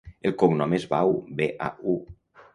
El cognom és Bau: be, a, u.